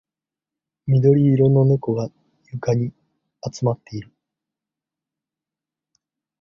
緑色の猫が庭に集まっている